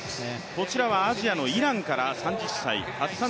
こちらはアジアのイランからです。